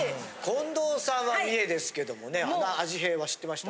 近藤さんは三重ですけどもねあじへいは知ってました？